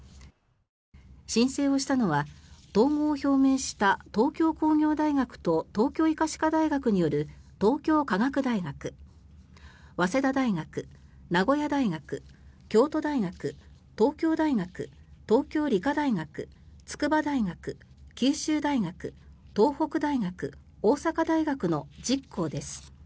申請をしたのは統合を表明した東京工業大学と東京医科歯科大学による東京科学大学早稲田大学、名古屋大学京都大学、東京大学東京理科大学、筑波大学九州大学、東北大学大阪大学の１０校です。